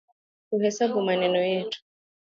Tuhesabu maneno yetu